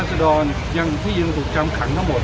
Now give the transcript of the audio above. ยังสูกใจตรงี่หลังยังถูกสัมผัสทั้งหมด